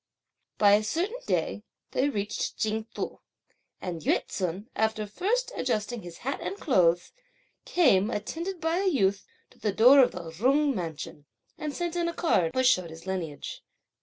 By a certain day, they reached Ching Tu; and Yü ts'un, after first adjusting his hat and clothes, came, attended by a youth, to the door of the Jung mansion, and sent in a card, which showed his lineage.